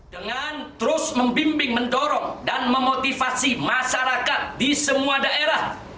dengan terus membimbing mendorong dan memotivasi masyarakat di semua daerah